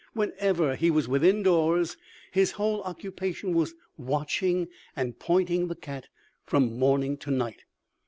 Whenever he was within doors, his whole occupation was watching and pointing the cat from morning to night.